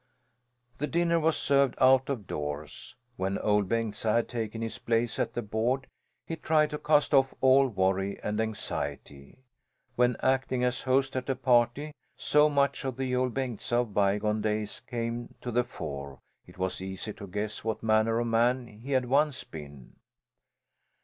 The dinner was served out of doors. When Ol' Bengtsa had taken his place at the board he tried to cast off all worry and anxiety. When acting as host at a party, so much of the Ol' Bengtsa of bygone days came to the fore it was easy to guess what manner of man he had once been.